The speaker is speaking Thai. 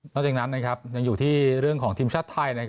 หลังจากนั้นยังอยู่ที่เรื่องของทีมชาติไทย